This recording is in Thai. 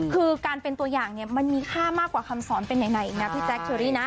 คือการเป็นตัวอย่างเนี่ยมันมีค่ามากกว่าคำสอนเป็นไหนอีกนะพี่แจ๊คเชอรี่นะ